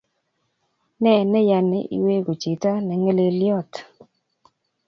Ne neyani iweku chito ingelelyot?